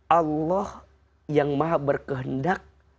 allah yang maha berkehendak